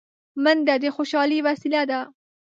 منډه د خوشحالۍ وسیله ده